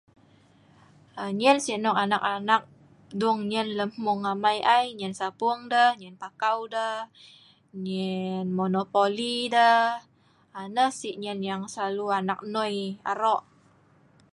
nyein si arok anak anak dung nyein lem mhung amai ai, nyein sapueng deh nyein pakau deh, nyein monopoli deh.. aa nah si' nyein si' slalu anak noi arok